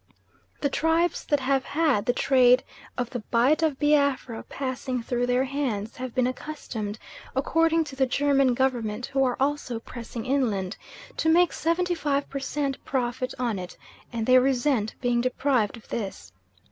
The tribes that have had the trade of the Bight of Biafra passing through their hands have been accustomed, according to the German Government who are also pressing inland, to make seventy five per cent. profit on it, and they resent being deprived of this.